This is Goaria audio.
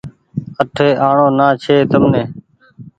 آٺي آڻو نا ڇي تمني